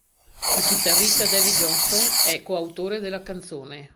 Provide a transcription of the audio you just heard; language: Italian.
Il chitarrista Davey Johnstone è coautore della canzone.